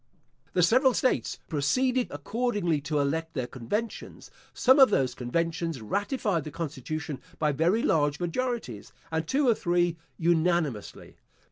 The several states proceeded accordingly to elect their conventions. Some of those conventions ratified the constitution by very large majorities, and two or three unanimously.